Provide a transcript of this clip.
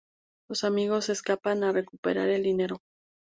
Los amigos escapan a recuperar el dinero.